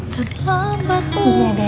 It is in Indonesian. terlambat untuk kamu sadari